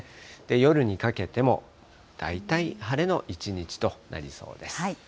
夜にかけても大体晴れの一日となりそうです。